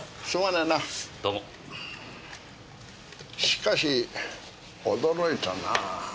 しかし驚いたなあ。